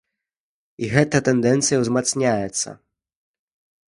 І гэта тэндэнцыя ўзмацняецца.